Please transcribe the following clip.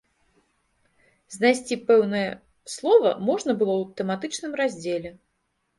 Знайсці пэўнае слова можна было ў тэматычным раздзеле.